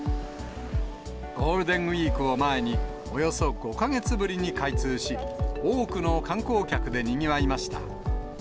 ゴールデンウィークを前に、およそ５か月ぶりに開通し、多くの観光客でにぎわいました。